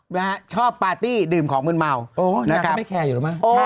วะนะฮะชอบปาร์ตี้ดื่มของมืนเมาโอ้ยนะครับยังไม่แคร์อยู่หรือเปล่า